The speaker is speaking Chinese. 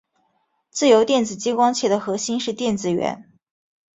自由电子激光器的核心是电子源。